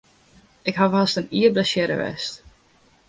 Ik haw hast in jier blessearre west.